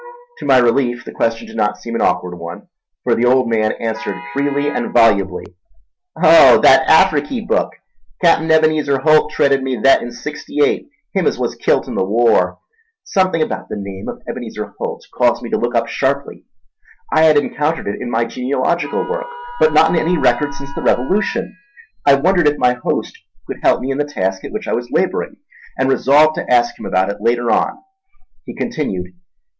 To my relief, the question did not seem an awkward one; for the old man answered freely and volubly. "Oh, thet Afriky book? Cap'n Ebenezer Holt traded me thet in 'sixty eight—him as was kilt in the war." Something about the name of Ebenezer Holt caused me to look up sharply. I had encountered it in my genealogical work, but not in any record since the Revolution. I wondered if my host could help me in the task at which I was labouring, and resolved to ask him about it later on. He continued.